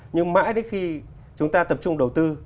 nhưng mãi đến khi chúng ta tập trung đầu tư